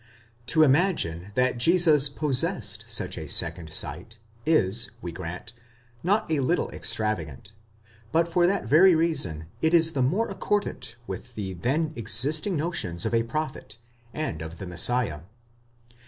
To imagine that Jesus possessed such a second sight, is, we grant, not a little extravagant; but for that very reason, it is the more accord ant with the then existing notions of a prophet, and of the Messiah.